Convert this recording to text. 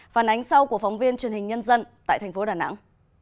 phản ánh sau của phóng viên truyền hình nhân dân tại thành phố đà nẵng